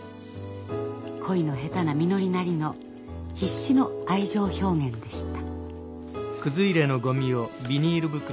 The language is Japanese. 恋の下手なみのりなりの必死の愛情表現でした。